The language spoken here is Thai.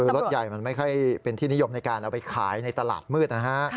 รถยัยมันไม่ค่อยเป็นที่นิยมที่เราได้เอาไปขายในตลาดมืด